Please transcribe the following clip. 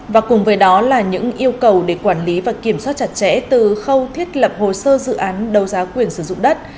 và cùng với đó là những yêu cầu để quản lý và kiểm soát chặt chẽ từ khâu thiết lập hồ sơ dự án đầu giá quyền sử dụng đất